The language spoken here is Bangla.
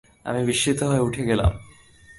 আমি বিস্মিত হয়ে উঠে গেলাম।